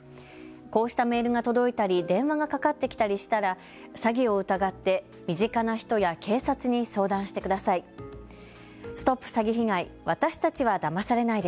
こうしたメールが届いたり電話がかかってきたりしたら詐欺を疑って身近な人や警察に相談してください。